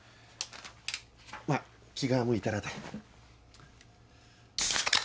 まぁ気が向いたらで。